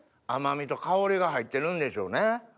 甘みと香りが入ってるんでしょうね。